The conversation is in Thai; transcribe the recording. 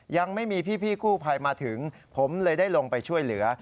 ยังไม่มีพี่กู้ภัยมาถึงผมเลยได้ลงไปช่วยเหลือ